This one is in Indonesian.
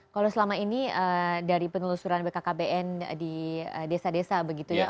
kalau selama ini dari penelusuran bkkbn di desa desa begitu ya